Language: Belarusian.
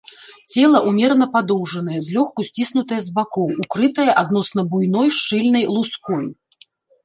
Цела ўмерана падоўжанае, злёгку сціснутае з бакоў, укрытае адносна буйной шчыльнай луской.